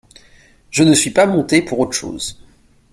Je ne suis pas montée pour autre chose.